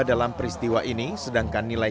dalam peristiwa ini sedangkan nilai